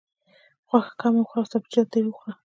غوښه کمه وخوره او سبزیجات ډېر وخوره.